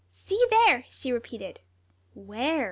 "See there!" she repeated. "Where?"